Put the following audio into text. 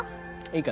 いいか？